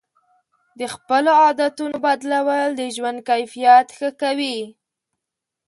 د خپلو عادتونو بدلول د ژوند کیفیت ښه کوي.